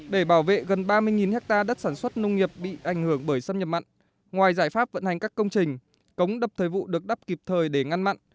để bảo vệ gần ba mươi hectare đất sản xuất nông nghiệp bị ảnh hưởng bởi xâm nhập mặn ngoài giải pháp vận hành các công trình cống đập thời vụ được đắp kịp thời để ngăn mặn